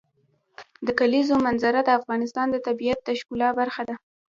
د کلیزو منظره د افغانستان د طبیعت د ښکلا برخه ده.